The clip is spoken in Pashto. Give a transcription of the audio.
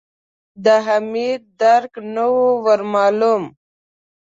د حميد درک نه و ور مالوم.